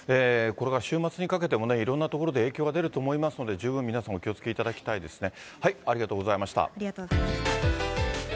これから週末にかけてもいろんな所で影響が出ると思いますので、十分皆さんお気をつけいただきたいですね。